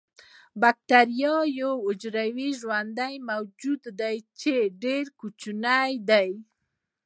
باکتریا یو حجروي ژوندی موجود دی چې ډیر کوچنی دی